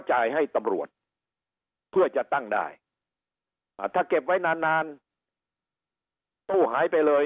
จ่ายให้ตำรวจเพื่อจะตั้งได้ถ้าเก็บไว้นานนานตู้หายไปเลย